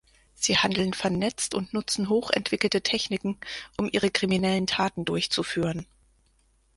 Sie handeln vernetzt und nutzen hoch entwickelte Techniken, um ihre kriminellen Taten durchzuführen.